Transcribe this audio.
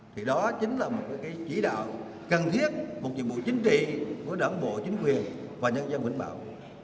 thì đó chính là một cái chỉ đạo cần thiết một nhiệm vụ chính trị của đảng bộ chính quyền và nhân dân vĩnh bảo